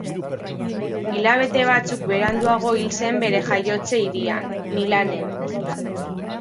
Hilabete batzuk beranduago hil zen bere jaiotze-hirian, Milanen.